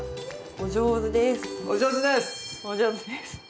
お上手です。